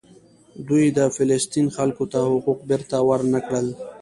دوی د فلسطین خلکو ته حقوق بیرته ورنکړل.